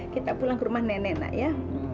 kita pulang ke rumah nenek nak ya